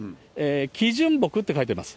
基準木って書いてます。